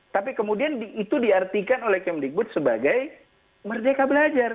tapi kemudian itu diartikan oleh kemdikbud sebagai merdeka belajar